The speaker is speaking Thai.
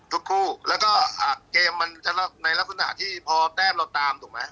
ทุกคู่แล้วก็เกมมันจะในลักษณะที่พอแต้มเราตามถูกไหม